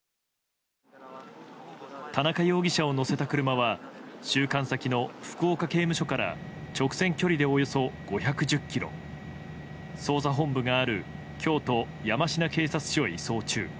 田中容疑者を乗せた車は収監先の福岡刑務所から直線距離でおよそ５１０ｋｍ捜査本部がある京都・山科警察署へ移送中。